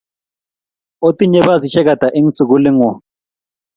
Otinye basisyek ata eng sukuli ng'wong'?